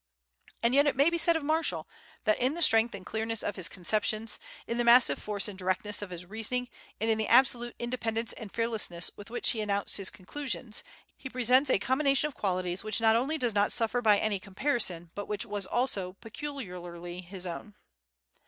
And yet it may be said of Marshall that, in the strength and clearness of his conceptions, in the massive force and directness of his reasoning, and in the absolute independence and fearlessness with which he announced his conclusions, he presents a combination of qualities which not only does not suffer by any comparison, but which was also peculiarly his own.